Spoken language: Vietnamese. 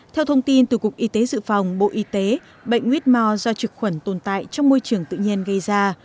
theo thông tin từ cục y tế dự phòng bộ y tế bệnh whore do trực khuẩn tồn tại trong môi trường tự nhiên gây ra